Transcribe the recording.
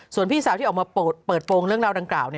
ส่วนพี่สาวที่ออกมาเปิดโปรงเรื่องราวดังกล่าว